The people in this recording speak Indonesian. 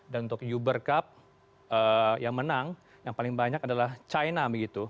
dan untuk uber cup yang menang yang paling banyak adalah china